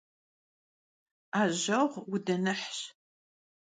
'ejeğu vudınıhş.